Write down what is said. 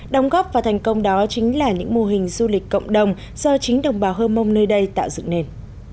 đồng góp và thành công đó chính là những mô hình du lịch cộng đồng do chính đồng bào hơ mông nơi đây tạo dựng nền